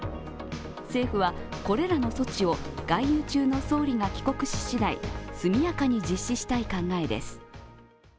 政府は、これらの措置を外遊中の総理が帰国ししだい、速やかに実施したい考えです。